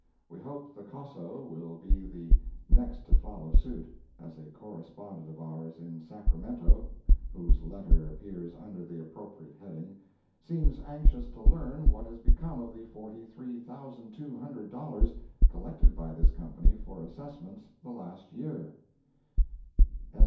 We hope the Coso will be the next to follow suit, as a correspondent of ours, in Sacramento, (whose letter appears under the appropriate heading,) seems anxious to learn what has become of the forty three thousand two hundred dollars collected by this Company for assessments the last year.